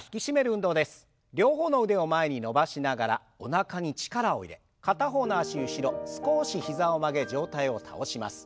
両方の腕を前に伸ばしながらおなかに力を入れ片方の脚後ろ少し膝を曲げ上体を倒します。